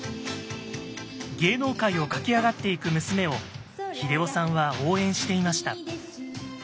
芸能界を駆け上がっていく娘を英夫さんは応援していました。